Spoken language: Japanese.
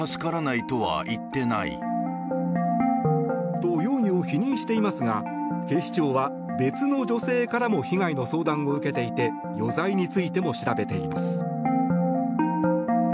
と、容疑を否認していますが警視庁は別の女性からも被害の相談を受けていて余罪についても調べています。